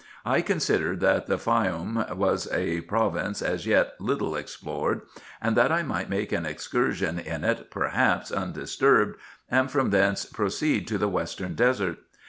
I considered that the Faioum was a province as yet little explored, and that I might make an excursion in it perhaps undisturbed, and from thence proceed to the western desert.